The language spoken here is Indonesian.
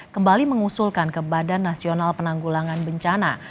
kembali mengusulkan kepada nasional penanggulangan bencana